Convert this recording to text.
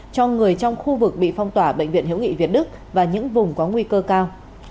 cho người trong khu vực bị phong tỏa bệnh viện hữu nghị việt đức và những vùng có nguy cơ cao